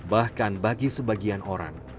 bahkan bagi sebagian orang